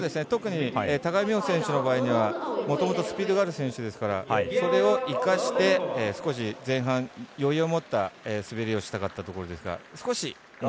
特に高木美帆選手の場合はもともと、スピードがある選手ですからそれを生かして、少し前半余裕を持った滑りをしたかったところですが。